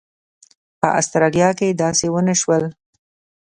په اسټرالیا کې داسې ونه شول.